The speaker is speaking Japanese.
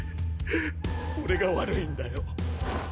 俺が悪いんだよ。